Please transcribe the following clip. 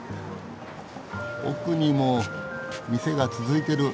奥にも店が続いてる。